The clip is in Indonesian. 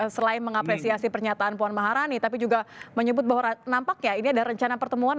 selain mengapresiasi pernyataan puan maharani tapi juga menyebut bahwa nampaknya ini ada rencana pertemuan